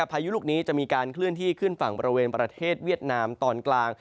พายุลูกนี้จะมีการเคลื่อนที่ขึ้นฝั่งบริเวณประเทศเวียดนามตอนกลาง